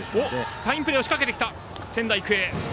サインプレーを仕掛けた仙台育英。